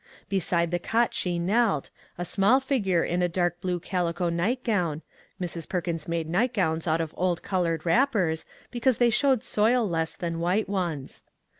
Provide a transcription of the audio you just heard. Be side the cot she knelt, a small figure in a dark blue calico nightgown Mrs. Perkins made nightgowns out of old colored wrappers, be cause they showed soil less than white ones.